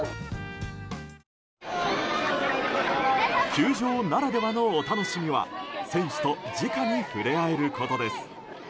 球場ならではのお楽しみは選手と直に触れ合えることです。